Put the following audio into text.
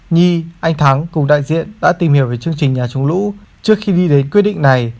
nhi anh thắng cùng đại diện đã tìm hiểu về chương trình nhà chống lũ trước khi đi thấy quyết định này